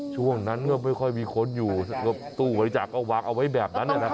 ช่วงนั้นก็ไม่ค่อยมีคนอยู่ตู้บริจาคก็วางเอาไว้แบบนั้นนะครับ